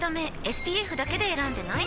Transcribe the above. ＳＰＦだけで選んでない？